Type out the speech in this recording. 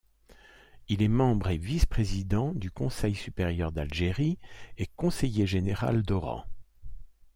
Il est membre et vice-président du Conseil supérieur d'Algérie et conseiller général d'Oran.